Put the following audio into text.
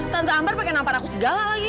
tante ambar pakai nampar aku segala lagi